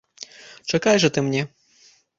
Чакай жа ты мне!